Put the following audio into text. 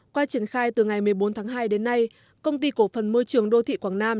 qua triển khai từ ngày một mươi bốn tháng hai đến nay công ty cổ phần môi trường đô thị quảng nam